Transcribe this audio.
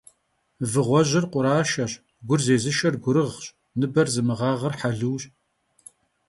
Vığuejır khuraşşeş, gur zêzışşer gurığş, nıber zımığağır heluş.